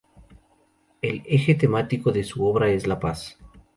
El eje temático de su obra es la paz.